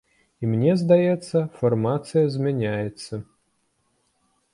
І мне здаецца, фармацыя змяняецца.